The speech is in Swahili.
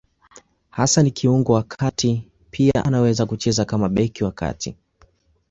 Hasa ni kiungo wa kati; pia anaweza kucheza kama beki wa kati.